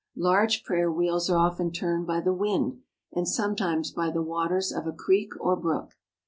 Large prayer wheels are often turned by the wind, and sometimes by the waters of a creek or brook.